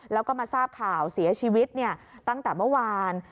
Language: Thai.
แล้วก็มาทราบข่าวเสียชีวิตตั้งแต่เมื่อวาน